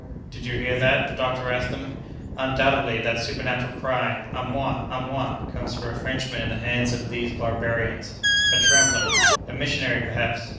"Did you hear that?" the doctor asked them. "Undoubtedly, that supernatural cry, 'À moi! à moi!' comes from a Frenchman in the hands of these barbarians!" "A traveller." "A missionary, perhaps."